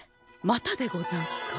またでござんすか！